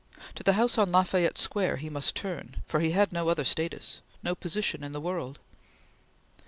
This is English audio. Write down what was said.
To the house on La Fayette Square he must turn, for he had no other status no position in the world.